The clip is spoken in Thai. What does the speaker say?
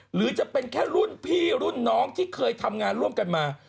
หรือจะเป็นแค่รุ่นพี่รุ่นน้องที่เคยทำงานร่วมกันมา